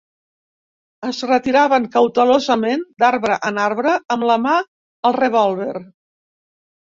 Es retiraven cautelosament, d'arbre en arbre, amb la mà al revòlver